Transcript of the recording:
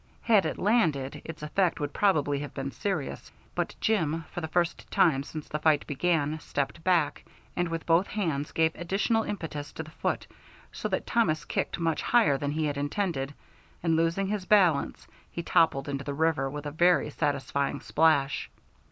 Had it landed, its effect would probably have been serious, but Jim, for the first time since the fight began, stepped back, and with both hands gave additional impetus to the foot, so that Thomas kicked much higher than he had intended, and losing his balance, he toppled into the river with a very satisfactory splash.